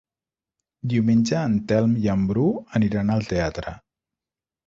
Diumenge en Telm i en Bru aniran al teatre.